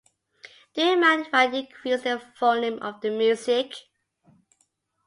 Do you mind if I increase the volume of the music?